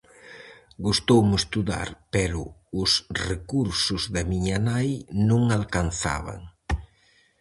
Gustoume estudar pero os recursos da miña nai non alcanzaban.